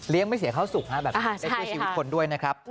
เลี้ยงไม่เสียเข้าสุขฮะแบบได้เสียชีวิตผลด้วยนะครับ